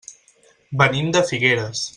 Venim de Figueres.